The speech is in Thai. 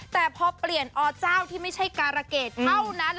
แต่พอเปลี่ยนอเจ้าที่ไม่ใช่การะเกดเท่านั้น